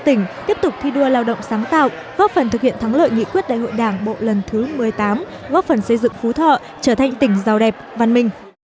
tỉnh tiếp tục thi đua lao động sáng tạo góp phần thực hiện thắng lợi nghị quyết đại hội đảng bộ lần thứ một mươi tám góp phần xây dựng phú thọ trở thành tỉnh giàu đẹp văn minh